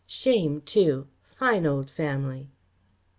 Shame, too! Fine old family!"